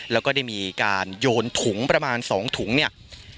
แล้วก็ได้มีการโยนถุงประมาณ๒ถุงเนี่ย